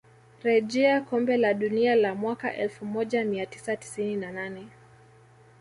rejea kombe la dunia la mwaka elfu moja mia tisa tisini na nane